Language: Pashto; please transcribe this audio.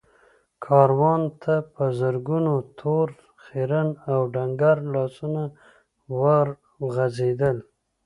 کاروان ته په زرګونو تور، خيرن او ډنګر لاسونه ور وغځېدل.